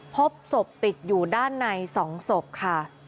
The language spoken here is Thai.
พบศพติดอยู่ด้านใน๒ศพค่ะ